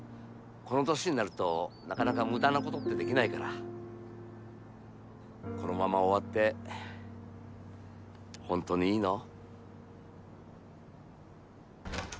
この年になるとなかなか無駄なことってできないからこのまま終わって本当にいいの？